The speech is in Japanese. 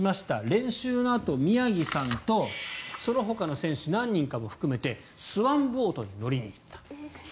練習のあと宮城さんとそのほかの選手何人かも含めてスワンボートに乗りに行った。